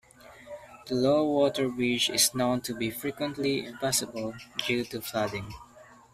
The low water bridge is known to be frequently impassable due to flooding.